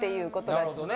なるほどね。